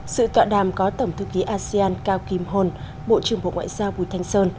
sự tọa đàm có tổng thư ký asean cao kim hồn bộ trưởng bộ ngoại giao bùi thanh sơn